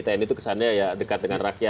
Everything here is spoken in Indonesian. tni itu kesannya ya dekat dengan rakyat